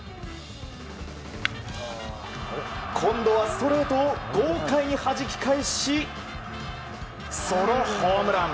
今度はストレートを豪快にはじき返しソロホームラン！